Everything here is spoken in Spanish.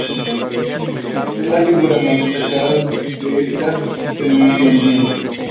Es la figura más destacada de esta tendencia en Viena.